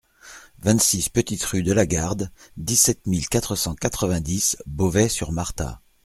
vingt-six petite Rue de la Garde, dix-sept mille quatre cent quatre-vingt-dix Beauvais-sur-Matha